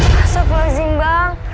masa pelazim bang